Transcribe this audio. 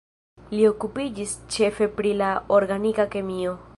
Li okupiĝis ĉefe pri la organika kemio.